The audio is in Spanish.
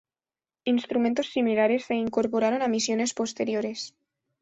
Instrumentos similares se incorporaron a misiones posteriores.